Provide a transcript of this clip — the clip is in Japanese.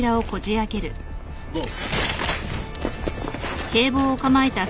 ゴー！